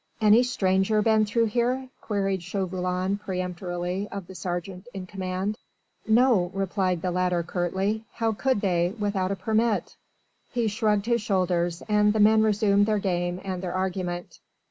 "Any stranger been through here?" queried Chauvelin peremptorily of the sergeant in command. "No," replied the latter curtly. "How could they, without a permit?" He shrugged his shoulders and the men resumed their game and their argument.